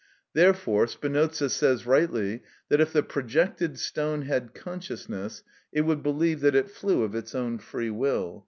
Therefore Spinoza says rightly that if the projected stone had consciousness, it would believe that it flew of its own free will.